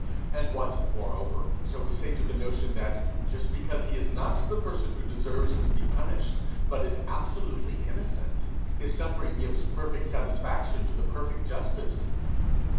And what, moreover, shall we say to the notion that, just because he is not the person who deserves to be punished, but is absolutely innocent, his suffering gives perfect satisfaction to the perfect justice?